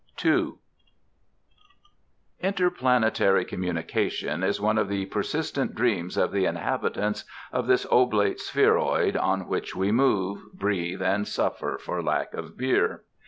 II Interplanetary communication is one of the persistent dreams of the inhabitants of this oblate spheroid on which we move, breathe and suffer for lack of beer.